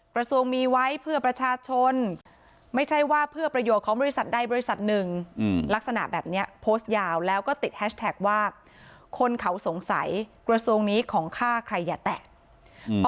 กระทรวงมีไว้เพื่อประชาชนไม่ใช่ว่าเพื่อประโยชน์ของบริษัทใดบริษัทหนึ่งลักษณะแบบนี้โพสต์ยาวแล้วก็ติดแฮชแท็กว่าคนเขาสงสัยกระทรวงนี้ของฆ่าใครอย่าแตะ